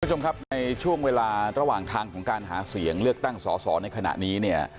พี่คุณชมครับในช่วงเวลาระหว่างทางของการหาเสียงเลือกตั้งสอในขณะนี้